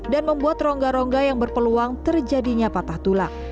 dan membuat rongga rongga yang berpeluang terjadinya patah tulang